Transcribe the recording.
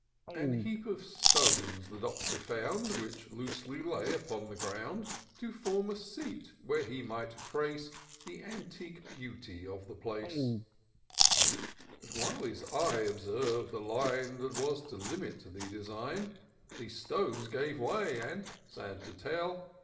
A heap of stones the Doctor found, Which loosely lay upon the ground. To form a seat, where he might trace The antique beauty of the place : But, while his eye observ'd the line That was to limit the design. IN SEARCH OF THE PICTURESQUE. 95 The stones gave way, and, — sad to tell!